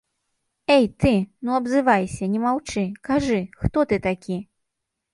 Э ты, ну абзывайся, не маўчы, кажы, хто ты такі?!